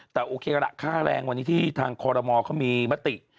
แต่โอเคละค่าแรงวันนี้ที่ทางคอรมอเขามีมติ